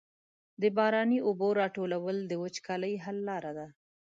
د باراني اوبو راټولول د وچکالۍ حل لاره ده.